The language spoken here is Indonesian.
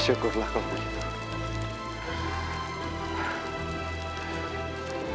syukurlah kau begitu